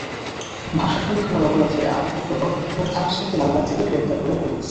ভাষাসৈনিক হওয়ার অপরাধে আমাকেসহ মোট আটজনকে লালবাগ থেকে গ্রেপ্তার করে পুলিশ।